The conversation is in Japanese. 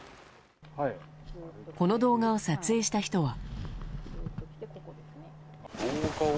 この動画を撮影した人は。